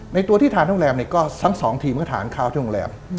ตัวที่ทานโรงแรมเนี่ยก็ทั้งสองทีมก็ทานข้าวที่โรงแรม